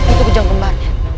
itu kujang kembarnya